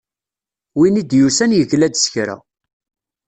Win i d-yusan yegla-d s kra.